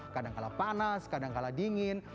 kadang kadang panas kadang kadang dingin